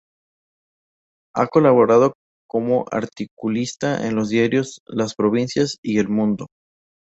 Ha colaborado como articulista en los diarios "Las Provincias" y "El Mundo".